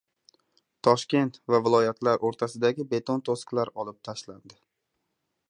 Toshkent va viloyatlar o‘rtasidagi beton to‘siqlar olib tashlandi